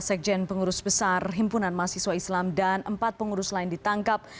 sekjen pengurus besar himpunan mahasiswa islam dan empat pengurus lain ditangkap